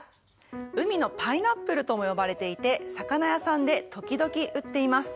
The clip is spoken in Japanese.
海のパイナップルとも呼ばれていて魚屋さんで時々売っています。